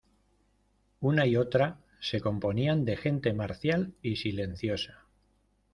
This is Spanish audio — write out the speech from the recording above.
una y otra se componían de gente marcial y silenciosa: